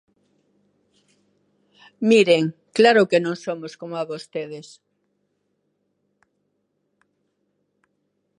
Miren, claro que non somos coma vostedes.